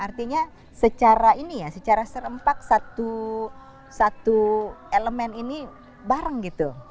artinya secara ini ya secara serempak satu elemen ini bareng gitu